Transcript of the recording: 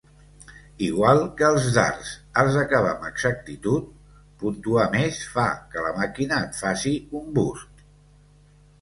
Igual que els dards, has d'acabar amb exactitud; puntuar més fa que la màquina et faci un "bust".